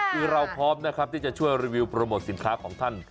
คือเราพร้อมนะครับที่จะช่วยรีวิวโปรโมทสินค้าของท่าน